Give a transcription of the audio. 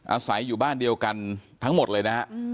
อาศัยอยู่บ้านเดียวกันทั้งหมดเลยนะฮะ